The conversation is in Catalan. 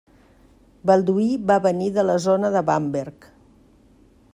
Balduí va venir de la zona de Bamberg.